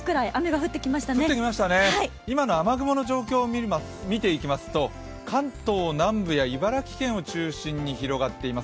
降ってきましたね、今の雨雲の状況を見ていきますと関東南部や茨城県を中心に広がっています。